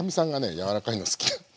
柔らかいの好きで。